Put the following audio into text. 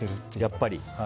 やっぱり。